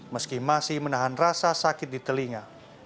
meski masih menahan rasa sakit di telinga